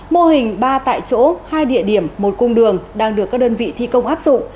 mô hình ba tại chỗ hai địa điểm một cung đường đang được các đơn vị thi công áp dụng